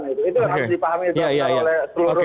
itu harus dipahami betul oleh seluruh